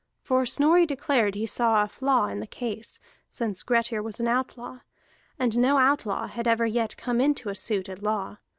For Snorri declared he saw a flaw in the case, since Grettir was an outlaw, and no outlaw had ever yet come into a suit at law.